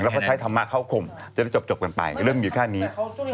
แล้วก็ใช้ธรรมะเข้าข่มจะได้จบกันไปเรื่องอยู่แค่นี้